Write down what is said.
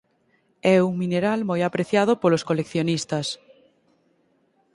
É un mineral moi apreciado polos coleccionistas.